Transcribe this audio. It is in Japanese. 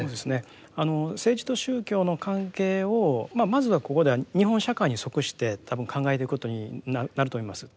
政治と宗教の関係をまあまずここでは日本社会に即して多分考えていくことになると思います。